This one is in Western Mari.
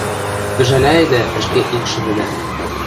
Ӹжӓлӓйӹдӓ ӹшке икшӹвӹдӓм...